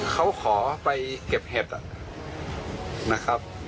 เขาขอไปเก็บเห็ดนะครับ